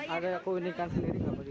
agak keunikan sendiri